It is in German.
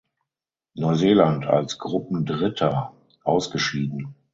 Neuseeland als Gruppendritter ausgeschieden.